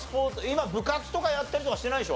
今部活とかやったりとかしてないでしょ？